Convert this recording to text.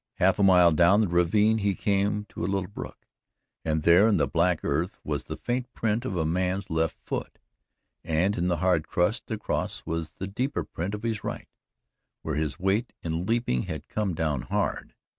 Half a mile down the ravine he came to a little brook, and there in the black earth was the faint print of a man's left foot and in the hard crust across was the deeper print of his right, where his weight in leaping had come down hard.